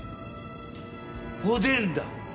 おでんだ。